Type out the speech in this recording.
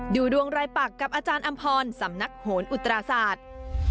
ดูดวงรายปักกับอาจารย์อำพรสำนักโหนอุตราศาสตร์